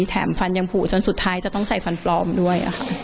แถมฟันยังผูจนสุดท้ายจะต้องใส่ฟันปลอมด้วยค่ะ